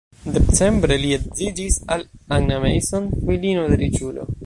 Decembre li edziĝis al Anna Mason, filino de riĉulo.